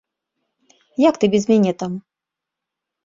Як ты без мяне там?